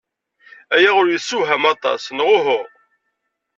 Aya ur yessewham aṭas, neɣ uhu?